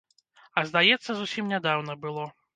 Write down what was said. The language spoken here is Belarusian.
А, здаецца, зусім нядаўна было.